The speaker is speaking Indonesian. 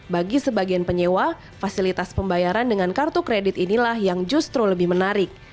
bagi sebagian penyewa fasilitas pembayaran dengan kartu kredit inilah yang justru lebih menarik